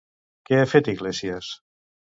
Què ha fet Iglesias?